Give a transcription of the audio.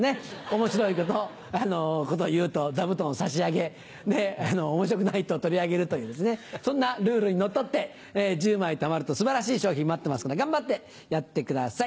面白いことを言うと座布団を差し上げで面白くないと取り上げるというそんなルールにのっとって１０枚たまると素晴らしい賞品待ってますから頑張ってやってください。